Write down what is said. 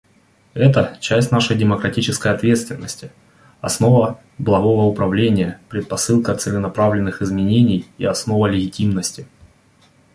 Это — часть нашей демократической ответственности, основа благого управления, предпосылка целенаправленных изменений и основа легитимности.